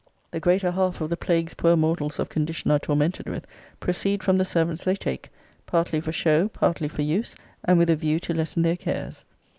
The greater half of the plagues poor mortals of condition are tormented with, proceed from the servants they take, partly for show, partly for use, and with a view to lessen their cares.